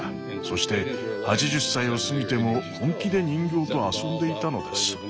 そして８０歳を過ぎても本気で人形と遊んでいたのです。